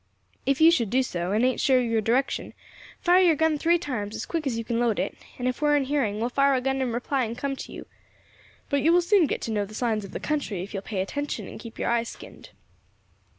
If you should do so, and ain't sure of your direction, fire your gun three times, as quick as you can load it, and if we are in hearing we will fire a gun in reply and come to you; but you will soon get to know the signs of the country if you will pay attention and keep your eyes skinned."